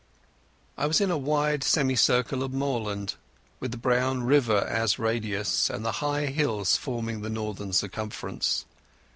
I was in a wide semicircle of moorland, with the brown river as radius, and the high hills forming the northern circumference.